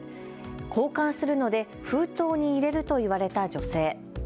交換するので封筒に入れると言われた女性。